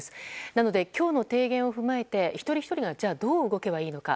なので今日の提言を踏まえて一人ひとりがじゃあ、どう動けばいいのか。